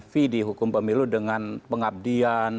fee di hukum pemilu dengan pengabdian